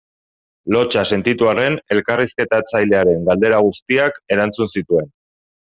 Lotsa sentitu arren elkarrizketatzailearen galdera guztiak erantzun zituen.